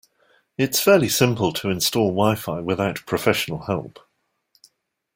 It's fairly simple to install wi-fi without professional help.